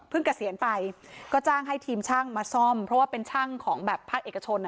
เกษียณไปก็จ้างให้ทีมช่างมาซ่อมเพราะว่าเป็นช่างของแบบภาคเอกชน